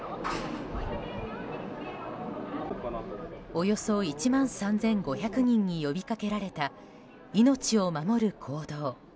およそ１万３５００人に呼びかけられた命を守る行動。